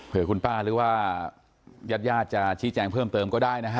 เพื่อคุณป้าหรือว่าญาติญาติจะชี้แจงเพิ่มเติมก็ได้นะฮะ